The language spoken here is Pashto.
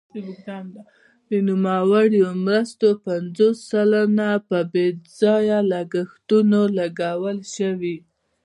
د نوموړو مرستو پنځوس سلنه په بې ځایه لګښتونو لګول شوي.